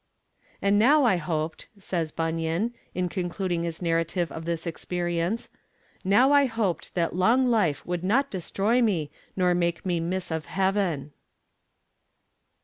'And now I hoped,' says Bunyan, in concluding his narrative of this experience, 'now I hoped that long life would not destroy me nor make me miss of heaven.'